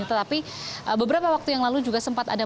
tetapi beberapa waktu yang lalu juga sempat ada